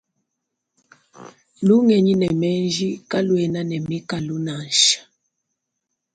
Lungenyi ne menji kaluena ne mikalu nansha.